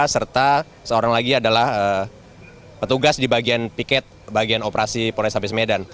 serta seorang lagi adalah petugas di bagian piket bagian operasi polresabes medan